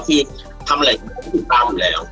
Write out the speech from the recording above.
คือทำอะไรก็ต้องติดตามอยู่แล้ว